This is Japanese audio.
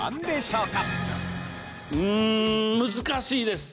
うーん難しいです。